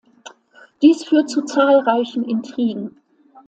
Dies führt zu zahlreichen Intrigen.